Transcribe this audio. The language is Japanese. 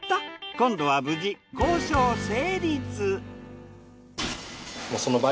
今度は無事交渉成立。